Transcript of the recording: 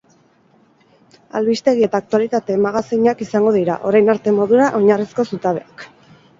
Albistegi eta aktualitate magazinak izango dira, orain arte modura, oinarrizko zutabeak.